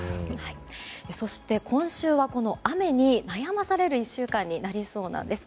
そして、今週は雨に悩まされる１週間になりそうなんです。